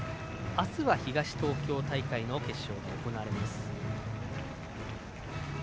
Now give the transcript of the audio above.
明日は東東京大会の決勝が行われます。